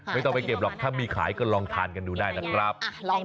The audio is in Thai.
ไม่ต้องไปเก็บหรอกถ้ามีขายก็ลองทานกันดูได้นะครับ